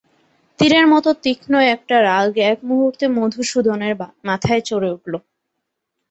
তীরের মতো তীক্ষ্ণ একটা রাগ এক মুহূর্তে মধুসূদনের মাথায় চড়ে উঠল।